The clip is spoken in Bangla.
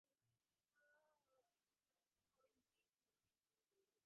আবার ব্রাজিলকে সমর্থন করলেই যেন আর্জেন্টিনাকে পচাতে হবে।